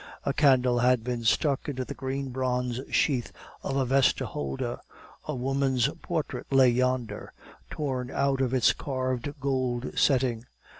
A candle had been stuck into the green bronze sheath of a vestaholder; a woman's portrait lay yonder, torn out of its carved gold setting.